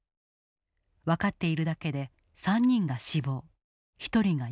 分かっているだけで３人が死亡１人が行方不明。